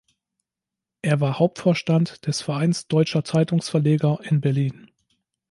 Er war Hauptvorstand des Vereins deutscher Zeitungsverleger in Berlin.